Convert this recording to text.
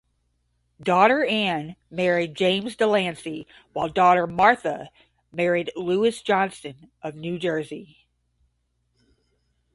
Daughter Anne married James DeLancey, while daughter Martha married Lewis Johnston of New Jersey.